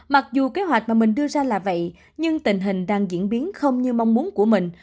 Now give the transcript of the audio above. mặc dù kế hoạch mà mình đưa ra là vậy nhưng tình hình đang diễn biến không như mong muốn của mình